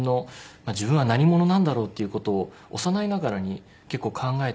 自分は何者なんだろう？っていう事を幼いながらに結構考えておりまして。